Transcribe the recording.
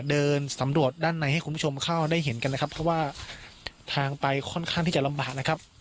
เดินสำรวจด้านในให้คุณผู้ชมเข้าได้เห็นกันนะครับเพราะว่าทางไปค่อนข้างที่จะลำบากนะครับ